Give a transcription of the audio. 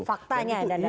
faktanya dan data